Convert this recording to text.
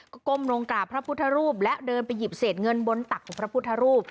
ก็ก้มลงกราบพระพุทธรูปและเดินไปหยิบเศษเงินบนตักของพระพุทธรูป